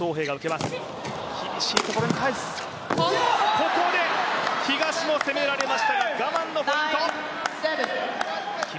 ここで東野、攻められましたが我慢のポイント！